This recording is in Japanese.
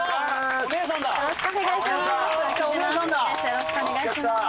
よろしくお願いします。